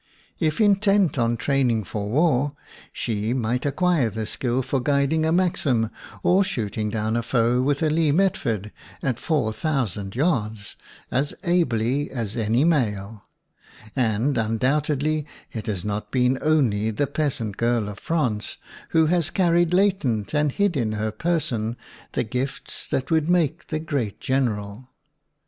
If intent on training for war, she might acquire the skill for guiding a Maxim or shooting down a foe with a Lee Metford at four thou sand yards as ably as any male; and undoubtedly, it has not been only the peasant girl of France, who has carried latent and hid in her person the gifts that would make the great general.